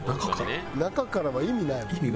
中からは意味ないもん。